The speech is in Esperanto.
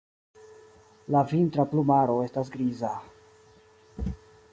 La vintra plumaro estas griza.